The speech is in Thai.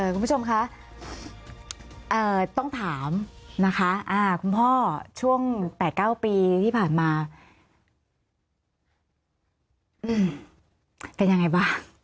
คุณผู้ชมคะต้องถามนะคะคุณพ่อช่วง๘๙ปีที่ผ่านมาเป็นยังไงบ้าง